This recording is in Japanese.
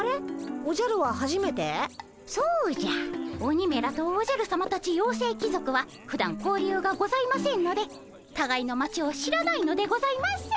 鬼めらとおじゃるさまたち妖精貴族はふだん交流がございませんのでたがいの町を知らないのでございます。